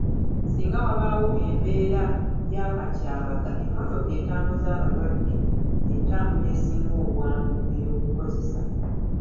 Singa wabaawo embeera y'akatyabaga, emmotoka etambuza abalwadde y'entambula esinga obwangu ey'okukozesa.